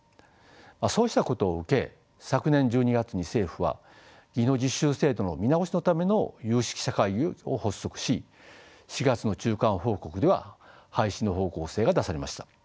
そうしたことを受け昨年１２月に政府は技能実習制度の見直しのための有識者会議を発足し４月の中間報告では廃止の方向性が出されました。